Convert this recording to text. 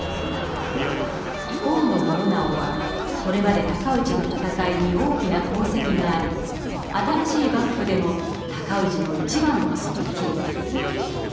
高師直はこれまで尊氏の戦いに大きな功績があり新しい幕府でも尊氏の一番の側近。